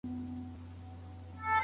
د ماسټرۍ برنامه بې پوښتني نه منل کیږي.